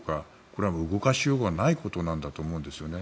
これは動かしようがないことなんだと思うんですね。